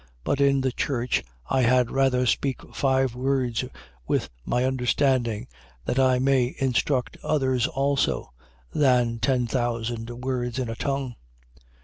14:19. But in the church I had rather speak five words with my understanding, that I may instruct others also: than ten thousand words in a tongue.